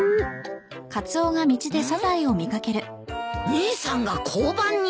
姉さんが交番に？